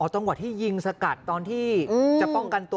จังหวะที่ยิงสกัดตอนที่จะป้องกันตัว